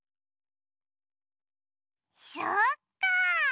そっかあ！